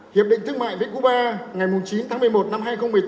hiệp định thương mại với cuba ngày chín tháng một mươi một năm hai nghìn một mươi tám